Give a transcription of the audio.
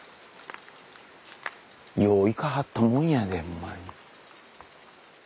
よう行かはったもんやでほんまに。